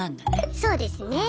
そうですね。